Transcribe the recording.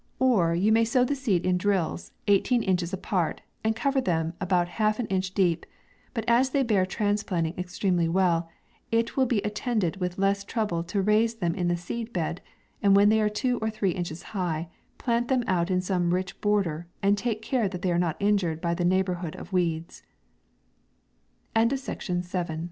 Or you maw yi may sow the seed in drills, eighteen inches apart, and cover them about half an inch deep ; but as they bear transplanting ex tremely well, it will be attended with less trouble to raise them in the seed bed, and, when they are two or three inches high, plant them out in some rich border, and take care that they are not injured by the neighbour hood o